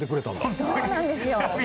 そうなんですよ。